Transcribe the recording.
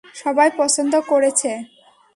সবাই পছন্দ করেছে।